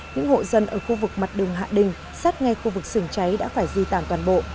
những hộ dân ở khu vực mặt đường hạ đình sát ngay khu vực sừng cháy đã phải di tản toàn bộ